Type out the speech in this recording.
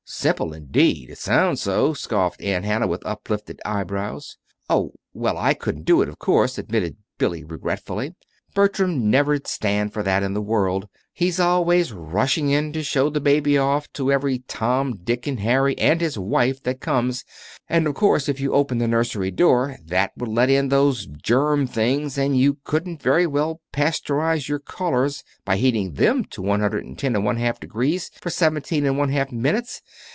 "Simple, indeed! It sounds so," scoffed Aunt Hannah, with uplifted eyebrows. "Oh, well, I couldn't do it, of course," admitted Billy, regretfully. "Bertram never'd stand for that in the world. He's always rushing in to show the baby off to every Tom, Dick and Harry and his wife that comes; and of course if you opened the nursery door, that would let in those germ things, and you couldn't very well pasteurize your callers by heating them to one hundred and ten and one half degrees for seventeen and one half minutes!